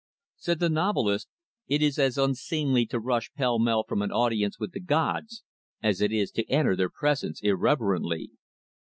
Said the novelist, "It is as unseemly to rush pell mell from an audience with the gods as it is to enter their presence irreverently."